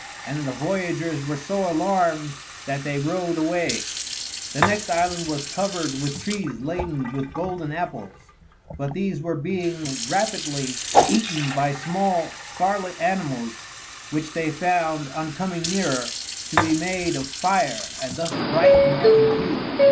and the voyagers were so alarmed that they rowed away. The next island was covered with trees laden with golden apples, but these were being rapidly eaten by small, scarlet animals which they found, on coming nearer, to be all made of fire and thus brightened in hue.